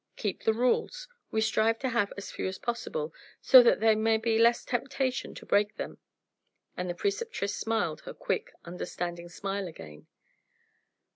Keep the rules we strive to have as few as possible, so that there may be less temptation to break them," and the Preceptress smiled her quick, understanding smile again.